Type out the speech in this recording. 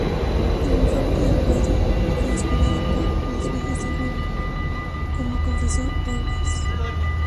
El informe de Brodie fue inspirado por "Los viajes de Gulliver", como confesó Borges.